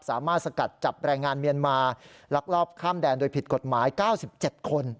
สกัดจับแรงงานเมียนมาลักลอบข้ามแดนโดยผิดกฎหมาย๙๗คน